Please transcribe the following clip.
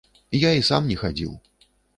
Я і сам не хадзіў.